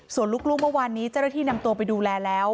ส่วนลูกเมื่อวานนี้เจ้าหน้าที่นำตัวไปดูแลแล้ว